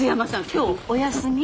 今日お休み？